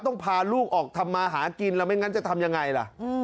ต้องพาลูกออกทำมาหากินแล้วไม่งั้นจะทำยังไงล่ะ